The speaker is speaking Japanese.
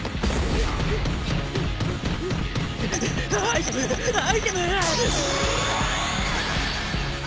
アイテムアイテム。